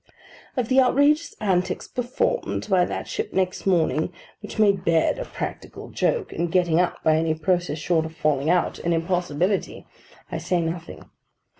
Of the outrageous antics performed by that ship next morning; which made bed a practical joke, and getting up, by any process short of falling out, an impossibility; I say nothing.